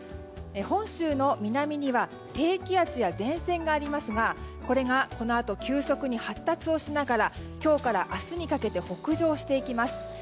本州の南には低気圧や前線がありますがこれがこのあと急速に発達をしながら今日から明日にかけて北上していきます。